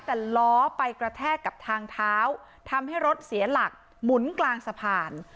แต่ล้อไปกระแทกกับทางเท้าทำให้รถเสียหลักหมุนกลางสะพาน